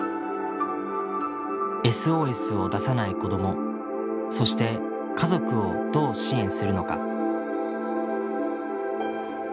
ＳＯＳを出さない子どもそして家族をどう支援するのか。